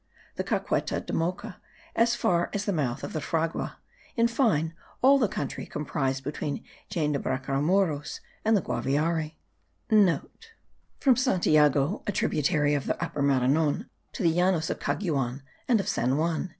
the Caqueta de Mocoa as far as the mouth of the Fragua, in fine, all the country comprised between Jaen de Bracamoros and the Guaviare,* (* From Rio Santiago, a tributary stream of the Upper Maranon, to the Llanos of Caguan and of San Juan.)